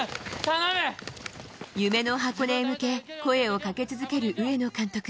夢の箱根へ向け、声をかけ続ける上野監督。